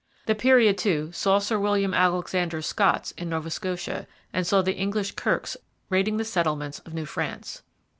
The period, too, saw Sir William Alexander's Scots in Nova Scotia and saw the English Kirkes raiding the settlements of New France.